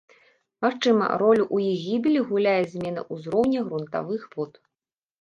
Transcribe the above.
Магчыма, ролю ў іх гібелі гуляе змена ўзроўня грунтавых вод.